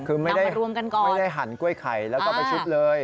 คือไม่ได้หันกล้วยไข่แล้วก็ไปชุบเลย